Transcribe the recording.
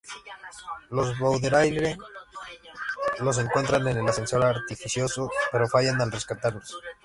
Los Baudelaire los encuentran en "El ascensor artificioso", pero fallan al rescatarlos.